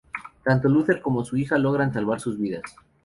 Tanto Luther como su hija logran salvar sus vidas.